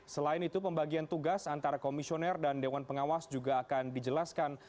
selain itu pembagian tugas antara komisioner dan dewan pengawas juga akan dijelaskan